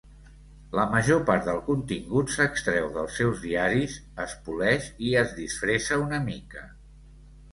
La major part del contingut s'extreu dels seus diaris, es poleix i es disfressa una mica.